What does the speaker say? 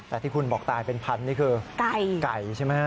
แต่ที่คุณบอกตายเป็นพันนี่คือไก่ใช่ไหมฮะ